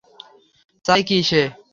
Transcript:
চায় কী সে?